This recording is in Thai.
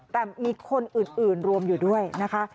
แต่มีคนอื่นรวมอยู่ด้วยนะคะ